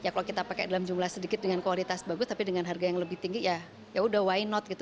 kalau kita pakai dalam jumlah sedikit dengan kualitas bagus tapi dengan harga yang lebih tinggi ya yaudah why not gitu